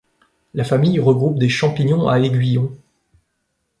La famille regroupe des champignons à aiguillons.